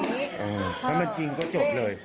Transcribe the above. ถ้ามันจริงก็จบเลย